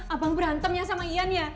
abang berantem ya sama ian ya